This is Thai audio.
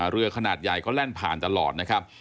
เรือขนาดใหญ่ก็แล่นผ่านตลอด